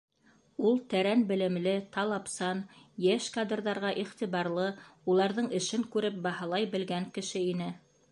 Ул тәрән белемле, талапсан, йәш кадрҙарға иғтибарлы, уларҙың эшен күреп, баһалай белгән кеше ине.